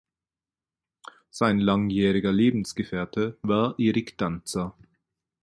Sein langjähriger Lebensgefährte war Eric Danzer.